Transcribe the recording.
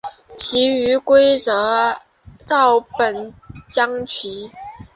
其余规则照本将棋。